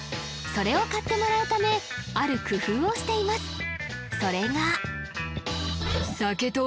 それを買ってもらうためある工夫をしています